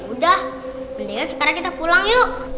udah belian sekarang kita pulang yuk